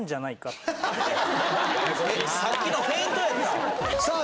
それさっきのフェイントやでさあ